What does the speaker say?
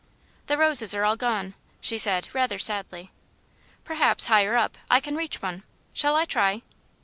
"The roses are all gone," she said rather sadly. "Perhaps, higher up, I can reach one shall I try?"